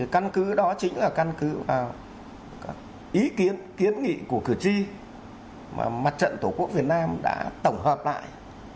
căn cứ đó chính là căn cứ vào ý kiến kiến nghị của cử tri mà mặt trận tổ quốc việt nam đã tổng hợp lại